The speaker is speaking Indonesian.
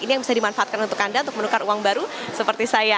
ini yang bisa dimanfaatkan untuk anda untuk menukar uang baru seperti saya